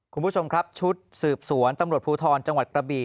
คุณผู้ชมครับชุดสืบสวนตำรวจภูทรจังหวัดกระบี่